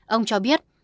ông cho biết